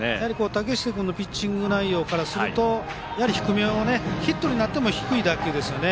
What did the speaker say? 竹下君のピッチング内容からするとヒットになっても低い打球ですね。